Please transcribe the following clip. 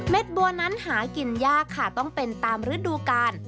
บัวนั้นหากินยากค่ะต้องเป็นตามฤดูกาล